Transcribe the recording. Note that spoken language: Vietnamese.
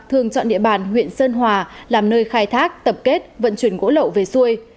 thường chọn địa bàn huyện sơn hòa làm nơi khai thác tập kết vận chuyển gỗ lậu về xuôi